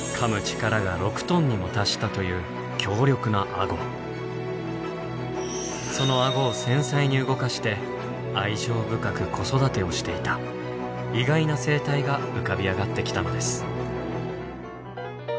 力が６トンにも達したというそのアゴを繊細に動かして愛情深く子育てをしていた意外な生態が浮かび上がってきたのです。